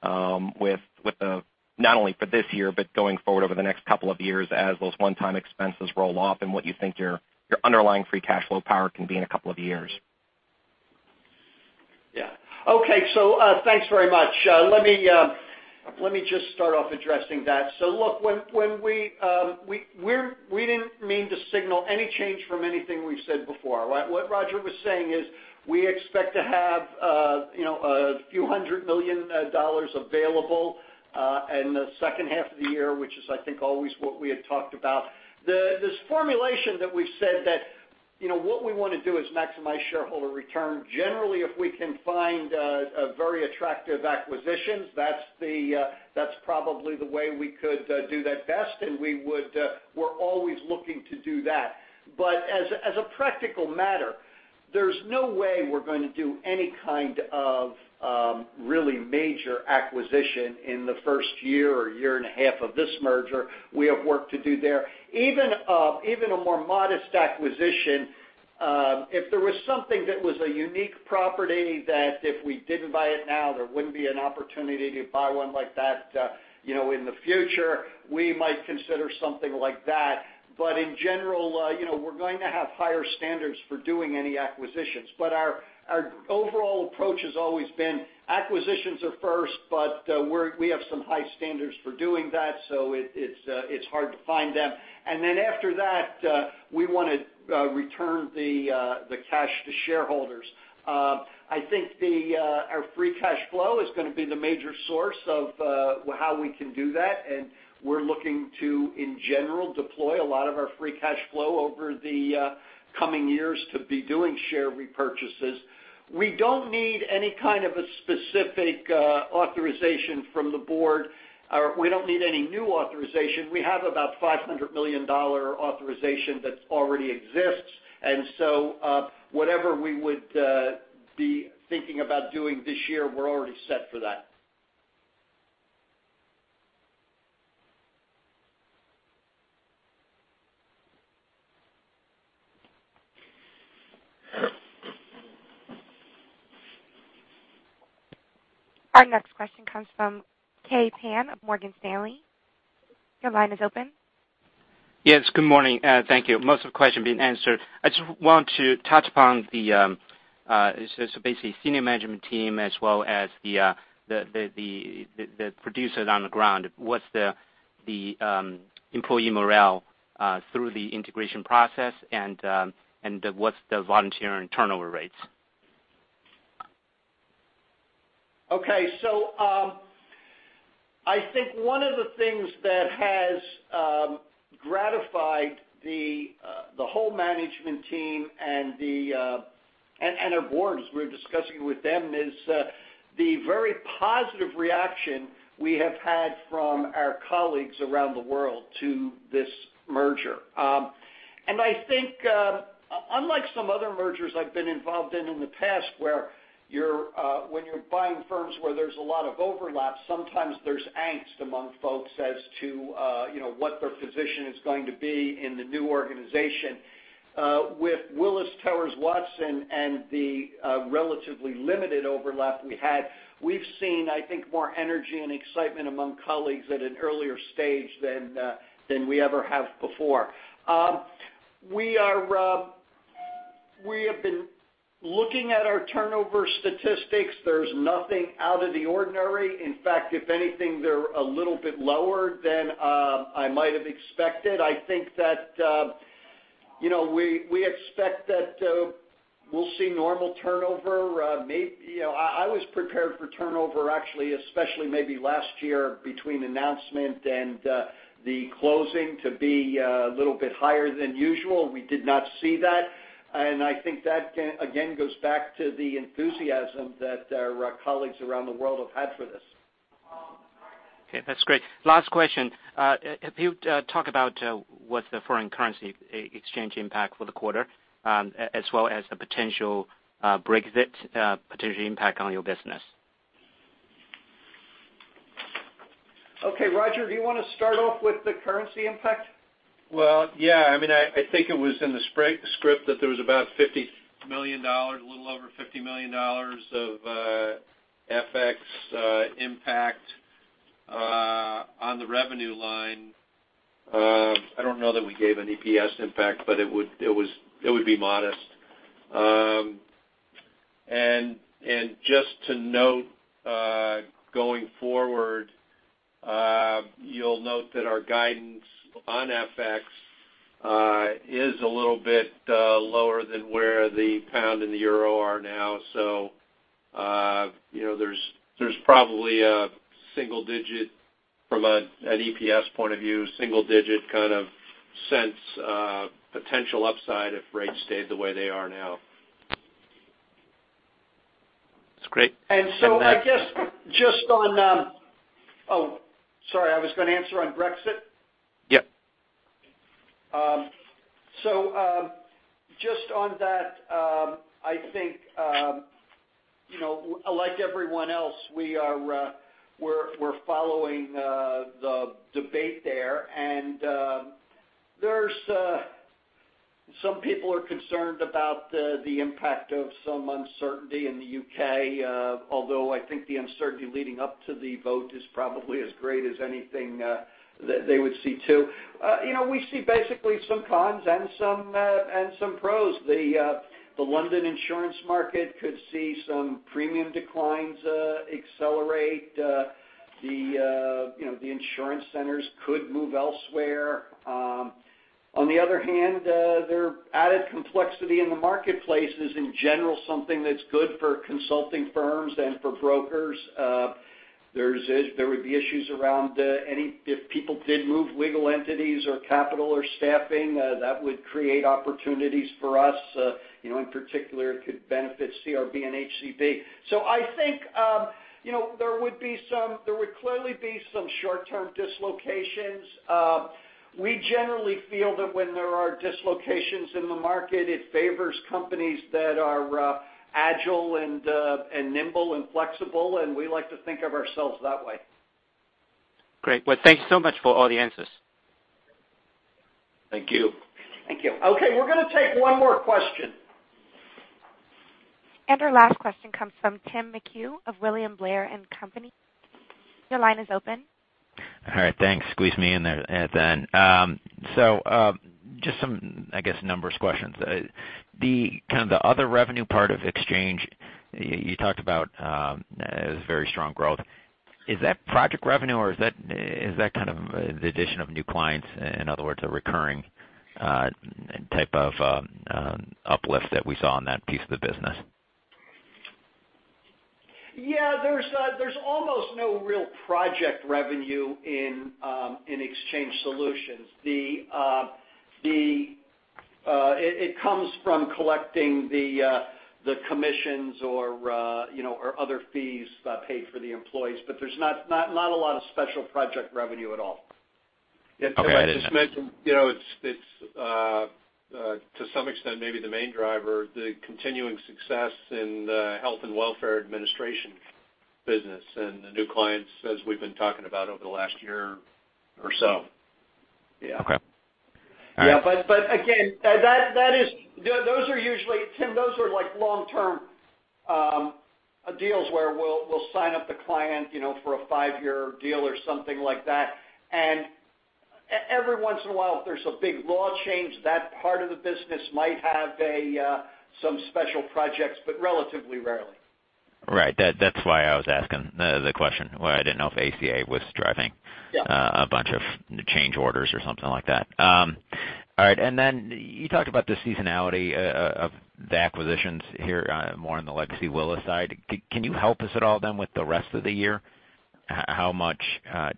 not only for this year, but going forward over the next couple of years as those one-time expenses roll off and what you think your underlying free cash flow power can be in a couple of years. Thanks very much. Let me just start off addressing that. Look, we didn't mean to signal any change from anything we've said before. What Roger was saying is, we expect to have a few hundred million dollars available in the second half of the year, which is, I think, always what we had talked about. This formulation that we've said that what we want to do is maximize shareholder return. Generally, if we can find a very attractive acquisition, that's probably the way we could do that best, and we're always looking to do that. As a practical matter, there's no way we're going to do any kind of really major acquisition in the first year or year and a half of this merger. We have work to do there. Even a more modest acquisition, if there was something that was a unique property that if we didn't buy it now, there wouldn't be an opportunity to buy one like that in the future, we might consider something like that. In general, we're going to have higher standards for doing any acquisitions. Our overall approach has always been acquisitions are first, but we have some high standards for doing that, so it's hard to find them. After that, we want to return the cash to shareholders. I think our free cash flow is going to be the major source of how we can do that, and we're looking to, in general, deploy a lot of our free cash flow over the coming years to be doing share repurchases. We don't need any kind of a specific authorization from the board. We don't need any new authorization. We have about $500 million authorization that already exists. Whatever we would be thinking about doing this year, we're already set for that. Our next question comes from Kai Pan of Morgan Stanley. Your line is open. Yes, good morning. Thank you. Most of the question has been answered. I just want to touch upon the, basically, senior management team as well as the producers on the ground. What's the employee morale through the integration process, and what's the volunteer and turnover rates? Okay. I think one of the things that has gratified the whole management team and our board, as we were discussing with them, is the very positive reaction we have had from our colleagues around the world to this merger. I think, unlike some other mergers I've been involved in in the past where when you're buying firms where there's a lot of overlap, sometimes there's angst among folks as to what their position is going to be in the new organization. With Willis Towers Watson and the relatively limited overlap we had, we've seen, I think, more energy and excitement among colleagues at an earlier stage than we ever have before. We have been looking at our turnover statistics. There's nothing out of the ordinary. In fact, if anything, they're a little bit lower than I might have expected. I think that we expect that we'll see normal turnover. I was prepared for turnover, actually, especially maybe last year between announcement and the closing to be a little bit higher than usual. We did not see that, and I think that, again, goes back to the enthusiasm that our colleagues around the world have had for this. Okay, that's great. Last question. If you talk about what's the foreign currency exchange impact for the quarter as well as the potential Brexit potential impact on your business. Okay, Roger, do you want to start off with the currency impact? Well, yeah. I think it was in the script that there was about a little over $50 million of FX impact on the revenue line. I don't know that we gave an EPS impact, but it would be modest. Just to note, going forward, you'll note that our guidance on FX is a little bit lower than where the pound and the euro are now. There's probably, from an EPS point of view, single-digit kind of cents potential upside if rates stayed the way they are now. That's great. I guess, Oh, sorry. I was going to answer on Brexit. Yep. Just on that, I think, like everyone else, we're following the debate there. Some people are concerned about the impact of some uncertainty in the U.K. Although I think the uncertainty leading up to the vote is probably as great as anything that they would see too. We see basically some cons and some pros. The London insurance market could see some premium declines accelerate. The insurance centers could move elsewhere. On the other hand, their added complexity in the marketplace is in general something that's good for consulting firms and for brokers. There would be issues around if people did move legal entities or capital or staffing, that would create opportunities for us. In particular, it could benefit CRB and HCB. I think there would clearly be some short-term dislocations. We generally feel that when there are dislocations in the market, it favors companies that are agile and nimble and flexible, and we like to think of ourselves that way. Great. Well, thank you so much for all the answers. Thank you. Thank you. Okay, we're going to take one more question. Our last question comes from Tim McHugh of William Blair & Company. Your line is open. All right. Thanks. Squeeze me in there at the end. Just some, I guess, numbers questions. The other revenue part of Exchange, you talked about very strong growth. Is that project revenue, or is that the addition of new clients? In other words, a recurring type of uplift that we saw in that piece of the business? Yeah, there's almost no real project revenue in Exchange Solutions. It comes from collecting the commissions or other fees paid for the employees. There's not a lot of special project revenue at all. Okay. I'd just mention, it's to some extent maybe the main driver, the continuing success in the health and welfare administration business and the new clients, as we've been talking about over the last year or so. Okay. All right. Yeah. Again, Tim, those are long-term deals where we'll sign up the client for a five-year deal or something like that. Every once in a while, if there's a big law change, that part of the business might have some special projects, but relatively rarely. Right. That's why I was asking the question. I didn't know if ACA was driving- Yeah a bunch of change orders or something like that. All right. You talked about the seasonality of the acquisitions here, more on the legacy Willis side. Can you help us at all then with the rest of the year? How much,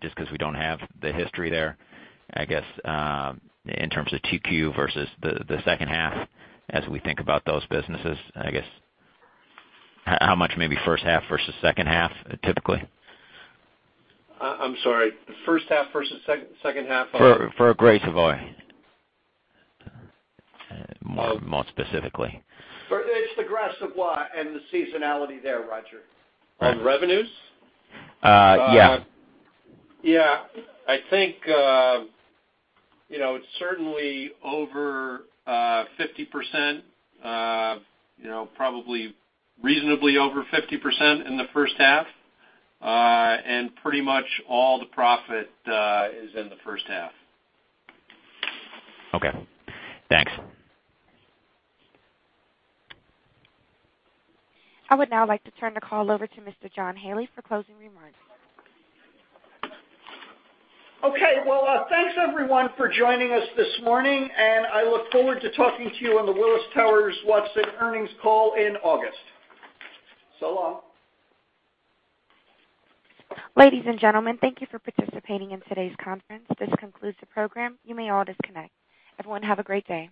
just because we don't have the history there, I guess, in terms of 2Q versus the second half as we think about those businesses, I guess, how much maybe first half versus second half, typically? I'm sorry, first half versus second half of? For Gras Savoye, more specifically. It's the Gras Savoye and the seasonality there, Roger. On revenues? Yeah. Yeah. I think, it's certainly over 50%, probably reasonably over 50% in the first half. Pretty much all the profit is in the first half. Okay. Thanks. I would now like to turn the call over to Mr. John Haley for closing remarks. Okay. Well, thanks everyone for joining us this morning, and I look forward to talking to you on the Willis Towers Watson earnings call in August. So long. Ladies and gentlemen, thank you for participating in today's conference. This concludes the program. You may all disconnect. Everyone have a great day.